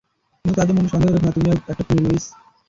কিন্তু তাতে মনে সন্দেহ রেখো না তুমি একটা খুনি, লুইস!